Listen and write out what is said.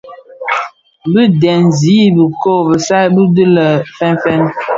Bi dèn ziň bikö kisaï ki dhi lè fènfèn.